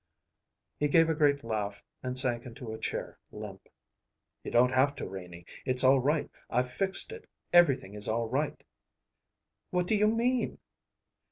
He gave a great laugh and sank into a chair, limp. "You don't have to, Renie. It's all right! I've fixed it. Everything is all right!" "What do you mean?"